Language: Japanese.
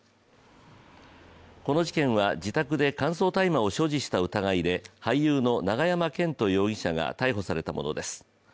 この事件は自宅で乾燥大麻を所持した疑いで俳優の永山絢斗容疑者が逮捕されたものです。